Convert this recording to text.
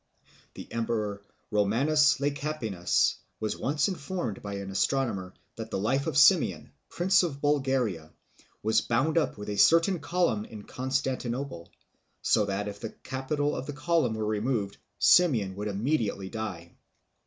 The emperor Romanus Lecapenus was once informed by an astronomer that the life of Simeon, prince of Bulgaria, was bound up with a certain column in Constantinople, so that if the capital of the column were removed, Simeon would immediately die.